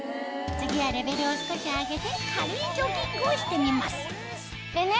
次はレベルを少し上げて軽いジョギングをしてみますでね